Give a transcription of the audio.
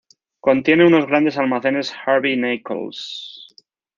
Contiene unos grandes almacenes Harvey Nichols.